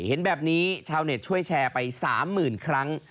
เห็นแบบนี้ชาวเน็ตช่วยแชร์ไป๓๐๐๐ครั้ง